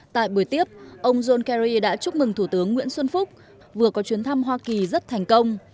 tại buổi tiếp ông john kerry đã chúc mừng thủ tướng nguyễn xuân phúc vừa có chuyến thăm hoa kỳ rất thành công